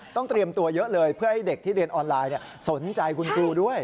เตรียมตัวเยอะเลยเพื่อให้เด็กที่เรียนออนไลน์สนใจคุณครูด้วย